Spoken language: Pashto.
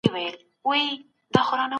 د ستونزو حل کول د هغو له پرېښودو ډېر ښه دی.